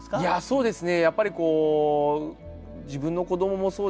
そうですね。